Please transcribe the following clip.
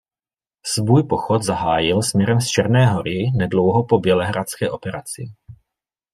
Svůj pochod zahájil směrem z Černé Hory nedlouho po Bělehradské operaci.